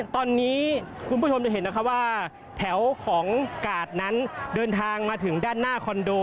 ตอนนี้คุณผู้ชมจะเห็นนะคะว่าแถวของกาดนั้นเดินทางมาถึงด้านหน้าคอนโด